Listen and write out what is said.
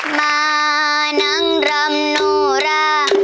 มานังรำนุรา